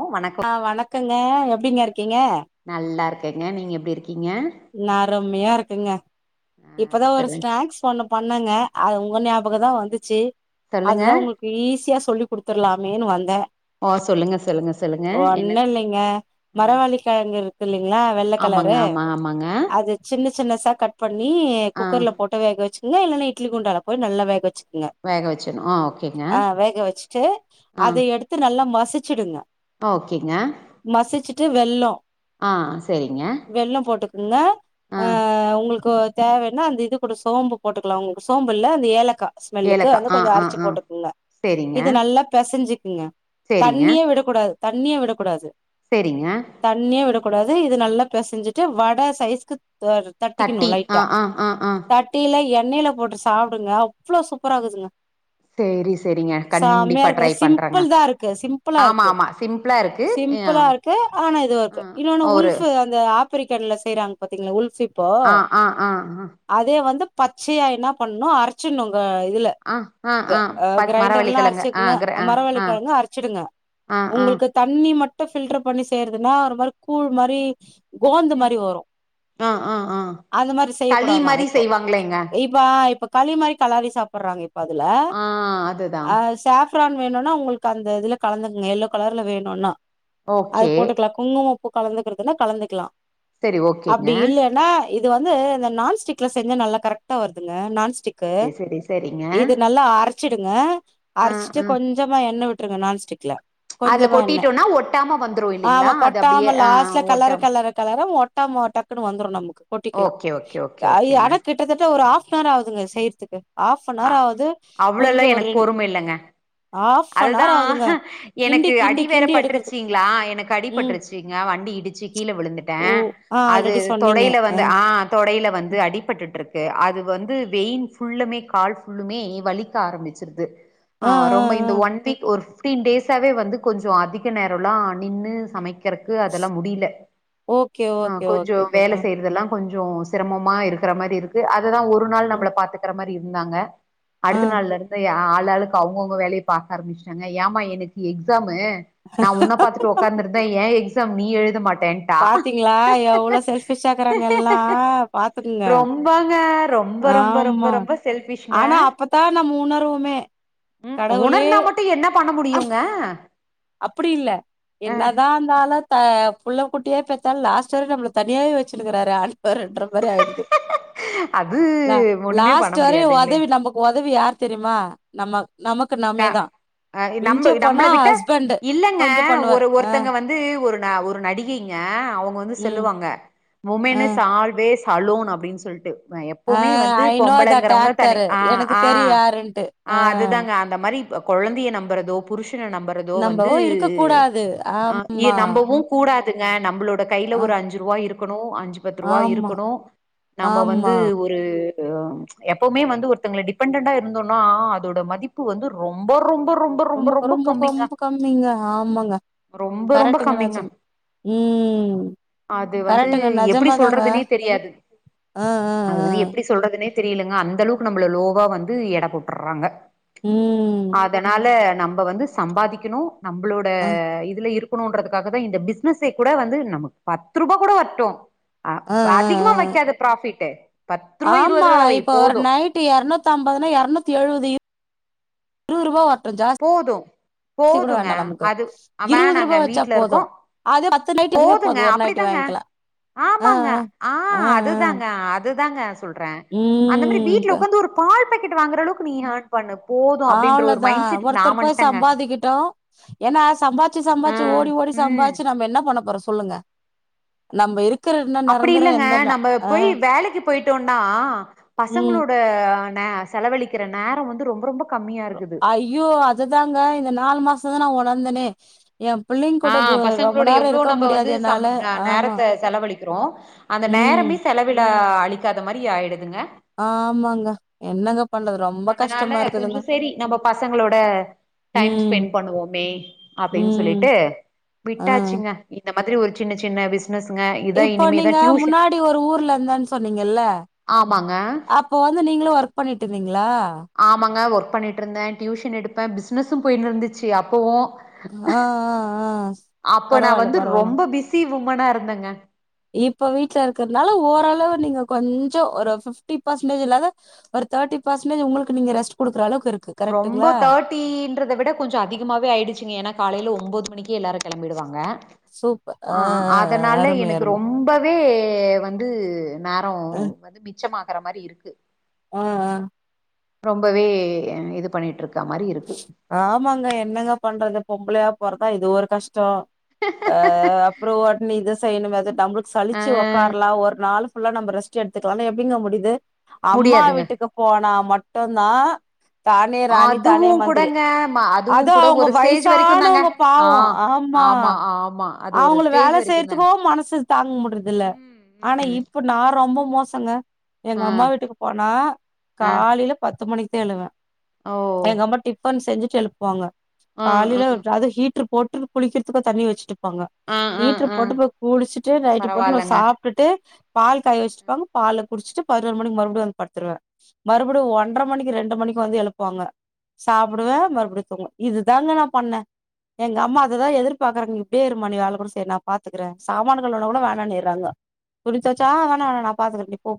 ஓ வணக்கம் ஆ வணக்கங்க எப்டீங்க இருக்கீங்க நல்லா இருக்கேங்க நீங்க எப்டி இருக்கீங்க நா அருமையா இருக்குங்க ஆ இப்பதா ஒரு சொல்லுங் ஸ்நாக்ஸ் பண்ண பண்ணுங்க அது உங்க ஞாபகோந்தா வந்துச்சி சொல்லுங்க அதுதா உங்குளுக்கு ஈஸியா சொல்லி குடுத்துடலாமேன்னு வந்தே ஓ சொல்லுங்க சொல்லுங்க சொல்லுங்க என்ன ஒண்ணு இல்லீங்க ஸ்நாக்ஸு ம் மரவள்ளிக்கெழங்கு இருக்கு இல்லீங்களா வெள்ள ஆமாங்க கலரு ஆமாம் ஆமாங்க அது சின்ன சின்னசா கட் பண்ணி ஆ குக்கர்ல போட் முட்ட வேகச்சுங்க இல்லனா இ்ட்லி குண்டால போயி நல்லா வேக வெச்சு வேக வச்சணு ஆ ஓகேங்க ஆ வேக வெச்சுட்டு ஆ அத எடுத்து நல்லா மசிச்சுடுங்க ஓகேங்க மசிச்சுட்டு வெல்லோ ஆ செரிங்க இன்ன ஆ அ அ உங்குளுக்கு தேவன்னா அந்த இது கூட சோம்பு போட்டுக்கலா உங்க சோம்புல அந்த ஏலக்கா ஸ்மெல்லுக்கு ஏலக்கா வந்து ஆ கொஞ்சோ ஆ அரச்சு ஆ போட்டுக்குங்க செரிங்க இது நல்லா பெசஞ்சுக்குங்க செரிங்க தண்ணியே விடக் விடக் கூடாது தண்ணியே விடக் கூடாது செரிங்க தண்ணியே விடக்கூடாது இது நல்லா பெசஞ்சிட்டு வட சைஸ்க்கு தெர தட்டிக்கணோ தட்டி ஆ லைட்டா ஆ ஆ ஆ தட்டில எண்ணெயில போட்டு சாப்புடுங்க அவ்வளோ சூப்பர் ஆகுதுங்க சேரி செரிங்க செமயா கண்டிப்பா இருக்கு ட்ரை பண்றேங்க சிம்பிள்தா இருக்கு சிம்பிளா ஆமா இருக்கு ஆமா சிம்பிளா இருக்கு ஆ சிம்பிளா இருக்கு ஆனா இதுவு இருக்கு ஆ இன்னொன்னு ஒரு உல்ஃபு இந்த ஆப்பிரிக்கன்ல செய்றாங்க பாத்தீங்களா உல்ஃபி அ அ அ அ அதே வந்து பச்சையா என்ன பண்ணணோ அரிச்சனு உங்க இதுல ஆ ஆ க ஆ அ பட் க்ரைண்டர்லா மரவள்ளிக்கெழங்கு ஆ அரச்சிக்குங்க கிர ஆ ஆ மரவள்ளிக்கெழங்கோ அரச்சிடுங்க ஆ ஆ உங்குளுக்கு தண்ணி மட்டு ஃபில்டர் பண்ணி செய்யறதுன்னா ஒரு மாதிரி கூழ் மாதிரி கோந்து மாரி வரோ அ அ அ களி மாரி செய்வாங்களேங்க ப்ப இப்ப களி மாரி கலாரி சாப்புட்றாங்க இப்ப அதுல ஆ அதுதா அ சா ஃப்ரான் வேணுனா உங்களுக்கு அந்த இதுல கலந்துகுங்க எல்லோ கலர்ல வேணுனா அது ஓகே போட்டுக்லா குங்குமப்பூ கலந்துக்கிறதுன்னா கலந்துக்லா செரி ஓகேங்க அப்டி இல்லென்னா இது வந்து இந்த நான்ஸ்டிக்ல செஞ்சா நல்லா கரெக்ட்டா வருதுல்ல நான்ஸ்டிக் கு செரி செரி செரிங்க இது நல்லா அரச்சிடுங்க ஆ அரச்சிட்டு ஆ கொஞ் கொஞ்சமா என்ன விட்ருங்க நான்ஸ்டிக்ல அதுல கொஞ்சமா என்ன கொட்டிட்டோனா ஒட்டாம வந்துரு இல்லைங்களா ஆமா அது அப்டியே கொட்டாம ஆ லாஸ்ட்ல கெலர ஒட்டாம கெலர கலரு ஒட்டாம ஓட்டாம வந்துரு நமக்கு கொட்டிக்லா ஓகே ஓகே ஓகே ஐ ஓகேங்க ஆனா கிட் கிட்டதட்ட ஒரு ஹாப் அன்வர் ஆகுதுங்க செய்றதுக்கு ஹாப் அ அன்வர் ஆகுது கொஞ்சோ ஒரு ரெண் ஹாஃப்னவர் அதுதான் ஆகுதுங்க கிண்டி எனக்கு கிண்டி அடி வேற கிண்டி எடுக்கறதுக்கு பட்ருச்சிங்ளா எனக்கு அடி ம் பட்ருச்சிங்க வண்டி இடிச்சு கீழ விழுந்துட்டே ஓ ஆ அது ஆல்ரெடி சொன்னீங்க தொடைல வந்து ஆ ஆ தொடைல வந்து அடிபட்டுட்டுருக்கு அது வந்து வெய்ன் புல்லமே கால் புள்ளுமே வலிக்க ஆரம்பிச்சிருது ஆ ரொம்ப இந்த ஆ ஒன் வீக் ஒரு ஃபிப்டீன் டேஸாவே வந்து கொஞ்சோ அதிக நேரல்லா நின்னு சமைக் க்கிறக்கு அதெல்லா முடில ஓகே அ ஓகே கொஞ்சோ ஓகே வேல ஆ செய்றதெல்லா கொஞ்சோ சிரமமா இருக்கிற மாதிரி இருக்கு அதுதா ஒரு நாள் ம் நம்மள பாத்துக்ற மாரி இருந்தாங்க ஆ அடுத்த நாள்லருத்து ஆள் ஆளுக்கு அவங்கவுங்க வேல பாக்க ஆரம்பிச்ட்டாங்க ஏமா எனக்கு எக்ஸாமு நா உன்ன பாத்துக் உக்க்கார்ந்துருதா ஏ எக்ஸாம் நீ எழுத மாட்ட பாத்திங்ளா எவ்ளோ செல்பிஷாக்குறாங்க எல்லா பாத்துக்கங்க ரொம்பங்க ரொம்ப ரொம்ப ரொம்ப ரொம்ப செல்விஷ்ங்க ஆனா அப்பதா நம்ம உணர்வோமே ம் கடவுளே உணர்ந்தா மட்டும் என்னப் அப்டி இல்ல அ என்னதாந்தாலு புள்ளகுட்டியே பெத்தாலு லாஸ்ட் வர நம்மள தனியாவே வச்சினுக்றாரு ஆண்டவருன்ற மாரி ஆயிடுது அது லா ஒண்ணுமே பண்ண லாஸ்ட்டு வரையு முடியாதுங்களே ஒதவி நமக் ஒதவி யார் தெரியுமா நம்ம நமக்கு க நாமேதா அ நம் நம்ள விட்ட இல்லங்க கொஞ்சம் பண்ணுவாரு ஒரு ஆ ஒருத்தங்க வந்து வந்து ஒரு ஒரு நடிகைங்க அவுங்க வந்து ம் செல்லுவாங்க ஆ வுமேன் இஸ் ஆல்வேஸ் அலோன் அப்டின் சொல்ட்டு ஆ எப்பவுமே வந்து ஐ நோ தட் பொம்பளங்றவங்க தனி ஆக்டர் ஆ எனக்கு ஆ தெரியும் யாருன்ட்டு ஆ அதுதாங்க இந்த மாரி குழந்தைய நம்புறதோ புருஷன நம்புற றதோ நம்போ வந்து இருக்க கூடாது அங்கேயே ஆமா நம்பவு கூடாதுங்க நம்மளோட கைல ஆ ஒரு அஞ்சு ரூவா இருக்கணு அஞ்சு பத்து ருவா ஆமா இருக்கணு‌ நாம வந்து ஆமா ஒரு எப்பவுமே வந்து ஒருத்தங்கள டிபெண்டன்டா இருந்தோனா அதோட மதிப் பு வந்து ரொம்ப ரொம்ப ரொம்ப ரொம்ப ரொம்ப கம்மிங்க ரொம்ப கம்மிங்க ஆமாங்க ரொம்ப ரொம்ப கம்மிங்க கரெக்டங்கனாச்சங் உம் அது வந்து கரெக்டுங்க எப்டி நெஜமாதாங்க சொல்றதுனே தெரியாது அ அது அ வந்து எப்டி அ சொல்றதுனே தெரிலங்க அந்த அளவுக்கு நம்ள லோவா வந்து எடபோட்டுறாங்க ம் அதனால நம்ப வந்து சம்பாதிக்கணு நம்ப்ளோட அ இதுல இருக் பாக்கனுன்றதுக்காகதா இந்த பிஸ்னஸே கூட வந்து நம்ம பத்து ருபா கூட வர்ட்டு அ அதிகமா அ வைக்காத ப்ராஃபிட்டு் ஆமா இப்ப ஒரு நைட்டு எருன்னுத்தம்பதுனா எரநூத்தி எழுவது இரு இருவது ருவா வர்ட்டு போது ஜாஸ்தி கூட போதுங்க வேண்டா நமக்கு அது இருவது வேணாங்க ருவா வச்சா வீட்ல போது இருக்கோ அது பத்து நைட் அதுவே போதுங்க போது ஒரு நைட் அப்டிதாங்க வாய்க்கிலா ஆமாங்க அ அ அதுதாங்க அதுதாங்க சொல்ற அந்த மாரி ம் இப்ப வீட்ல உக்காந்து ஒரு பால் பாக்கெட் வாங்ற அளவுக்கு நீ இறர்ன் பண்ண போது அப்டின்ற ஒரு மைண்ட் செட் ஒர்த்தர் போய் சம்பாதிக்கிட்டும் ஏன்னா சம்பார்ச்சு சம்பார்ச்சி ஓடி ஓடி ம் சம்பாச்சு நம்ப என்ன பண்ண போறோம் சொல்லுங்க நம்ம இருக் அப்படி இல்லங்க நம்ம போய் வேலைக்கு போயிட்டோன்னா ம் பசங்களோட நா செலவலிக்கிற நேர வந்து ரொம்ப ரொம்ப கம்மியா இருக்குது ஐயோ அதுதாங்க இந்த நாலு மாசம் தான் நான் ஒணர்ந்தனே எ பிள்ளைங் ஆ கூட இது ரொம்ப பசங்களோட நேரோ எவ்ளோ இருக்க நம்ப வந்து முடியாது சம் என்னால ஆ ஆமா நேரத்த செலவழிக்கிறோ அந்த ம் நேரமே செலவிட அழிக்காத மாரி ஆயிடுதுங்க ஆமாங்க என்னங்க ப அதனால கொஞ்சம் சேரி நம்ம பசங்களோட டைம் ம் ஸ்பெண்ட் பண்ணுவோமே அப்டின்னு ம் சொல்லிட்டு ஆ விட்டாச்சுங்க இந்த மாதிரி ஒரு சின்ன சின்ன விஸ் ன்னுஸ்ங்க இப்ப நீங்க முன்னாடி ஒரு ஊர்ல இருந்தன்னு சொன்னீங்கல்ல ஆமாங்க அப் இப்போ வந்து நீங்களு ஒர்க் பண்ணிட்டு இருந்தீங்களா ஆமாங்க ஒர்க் பண்ணிட்டு இருந்தே டியூஷன் எடுப்ப பிஸ்னஸும் போயினு இருந்துச்சு அப்பவு ஆ ஆ ஆ அப்ப நான் பரவால்ல வந்து பரவால்ல ரொம்ப பிஸி உமனா இருந்தங்க இப்ப வீட்ல இருக்கறதனால ஓரளவு நீங்க கொஞ்ச ஒரு ஃபிஃப்டி பெர்சன்டேஜ் இல்லாத ஒரு தேர்டி பர்சன்டேஜ் உங்குளுக்கு நீங்க ரெஸ்ட்குடுக்ற அளவுக்கு இரு ரொம்ப தேர்ட் டீ ன்றத விட கொஞ்சம் அதிகமாவே ஆயிடுச்சுங்க ஏன்னா காலையில ஒன்பது மணிக்கே எல்லாரும் கெளம்பிடுவாங்க சூப்பர் ஆ ஆஹ் ஆ ஆ அதனால அருமை எனக்கு அருமை ரொம்பவே வந்து நேரம் ம் வந்து மிச்சமாகுற மாரி இருக்கு ம் ம் ரொம்பவே இது பண்ணிட்டு இருக்க மாரி இருக்கு ஆமாங்க என்னங்க பண்றது பொம்பளையா பொறந்தா இது ஒரு கஷ்டம் அ அப்றோம் ஒடனே இதை செய்யணும் அது நம்மளுக்கு ஆ சலிச்சு உக்காரலாம் ஒரு நாளும் புல்லா நம்ப ரெஸ்ட் எடுத்துக்கலாம்னா எப்டிங்க முடிது அம்மா முடியாதுங்க. வீட்டுக்கு போனா மட்டும் தான் தானே ராணி தானே அதுவும் மந்திரி கூடங்க ம அதோ அதுவும் கூட அவுங்க ஒரு ஸ்டேஜ் வரைக்கும் தாங்க. வயிசானவங்க ஆ. பாவம் ஆமா ஆமா. அது ஒரு அவுங்கல ஸ்டேஜ் வேலை வரைக்கும் தாங்க. செய்றதுகோ மனசு தாங்க முடியர்து இல்ல ம் ம் ஆனா ம் இப்ப நான் ரொம்ப மோசங்க எங்க ஆ அம்மா வீட்டுக்கு போனா ஆ காலையில பத்து மணிக்கு தா எழுவ ஓ எங்க அம்மா டிப்பன் செஞ்சுட்டு எழுப் புவாங்க ஆ ஆ காலையில அதாவது ஹீட்ரு போட்டு குளிக்கிறதுக்கும் தண்ணி வச்சுட்டுப்பாங்க ஆ ஆ ஹீட்ரு ஆ போட்டு போய் குளிச்சுட்டு நைட்டி போட்டு பரவால்லங்க சாப்பிட்டுட்டு பால் காய வச்சுருப்பாங்க பால குடிச்சிட்டு பதினொரு மணிக்கு மறுபடியும் வந்து படுத்துடுவேன் மறுபடியும் ஒன்றரை மணிக்கு ரெண்டு மணிக்கு வந்து எழுப்புவாங்க சாப்புடுவேன் மறுபடியும் தூங்குவன் இதுதாங்க நான் பண்ணன் எங்க அம்மா அதுதான் எதிர்பார்க்கறாங்க இப்டே இருமா நீ வேலை கூட செய்வானா நான் பாத்துக்கறேன் சாமான் கழுனாகூட வேணாம்னிறாங்க குடிச்சாசா வேணா வேணா நான் பாத்துக்கறன் நீ ப்போ